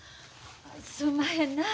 すんまへんな。